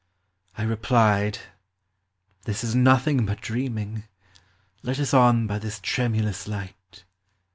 I replied —" This is nothing but dreaming : Let us on by this tremulous light